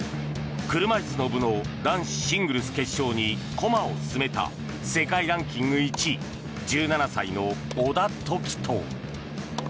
車いすの部の男子シングルス決勝に駒を進めた世界ランキング１位１７歳の小田凱人。